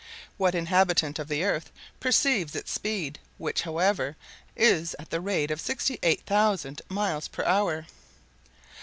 What inhabitant of the earth perceives its speed, which, however, is at the rate of 68,000 miles per hour?